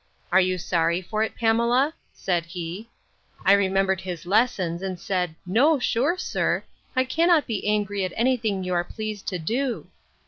Are you sorry for it, Pamela? said he. I remembered his lessons, and said No, sure, sir; I cannot be angry at any thing you are pleased to do.